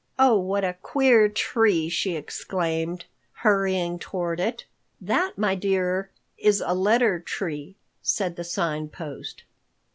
"Oh, what a queer tree!" she exclaimed, hurrying toward it. "That, my dear, is a letter tree," said the Sign Post.